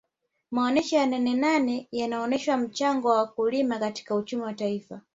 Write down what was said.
maonesha ya nanenane yanaonesha mchango wa wakulima katika uchumi wa taifa